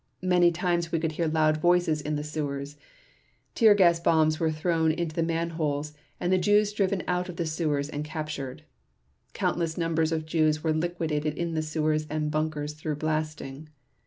Many times we could hear loud voices in the sewers .... Tear gas bombs were thrown into the manholes, and the Jews driven out of the sewers and captured. Countless numbers of Jews were liquidated in sewers and bunkers through blasting.